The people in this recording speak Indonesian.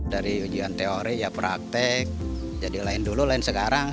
dari ujian teori ya praktek jadi lain dulu lain sekarang